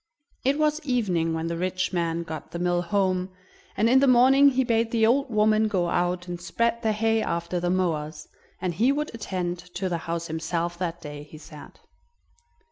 It was evening when the rich man got the mill home, and in the morning he bade the old woman go out and spread the hay after the mowers, and he would attend to the house himself that day, he said.